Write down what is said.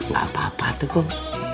gak apa apa atukum